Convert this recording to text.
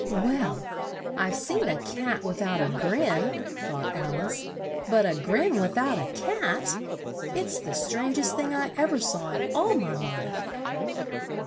"Well, I've seen a cat with out a grin," thought Al ice; "but a grin with out a cat! It's the strang est thing I ev er saw in all my life!"